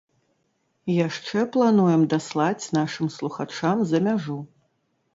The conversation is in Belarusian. Яшчэ плануем даслаць нашым слухачам за мяжу.